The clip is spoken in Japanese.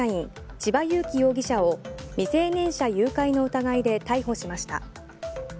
千葉裕生容疑者を未成年者誘拐の疑いで逮捕しました。